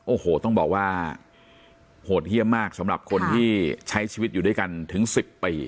โอ้โหต้องบอกว่าโหดเยี่ยมมากสำหรับคนที่ใช้ชีวิตอยู่ด้วยกันถึง๑๐ปี